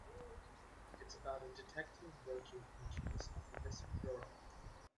It's about a detective working on a case of a missing girl.